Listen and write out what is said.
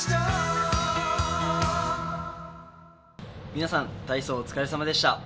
皆さん、体操お疲れさまでした。